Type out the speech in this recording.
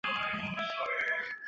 其日本名为佐藤爱之助。